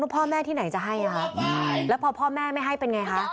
พ่อแม่ที่ไหนจะให้แล้วพอพ่อแม่ไม่ให้เป็นไงคะ